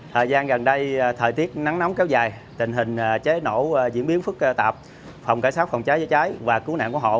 thời gian gần đây thời tiết nắng nóng kéo dài tình hình chế nổ diễn biến phức tạp phòng cảnh sát phòng cháy chữa cháy và cứu nạn của họ